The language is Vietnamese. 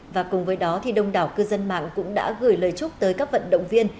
và cùng với đó đông đảo cư dân mạng cũng đã gửi lời chúc tới các vận động viên